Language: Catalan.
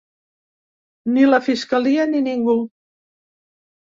Ni la fiscalia ni ningú.